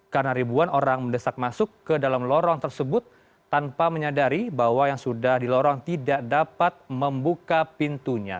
karena ribuan orang mendesak masuk ke dalam lorong tersebut tanpa menyadari bahwa yang sudah di lorong tidak dapat membuka pintunya